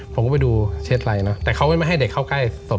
ผมก็ไปดูเช็ดไลน์เนอะแต่เขาไม่ให้เด็กเข้าใกล้ศพ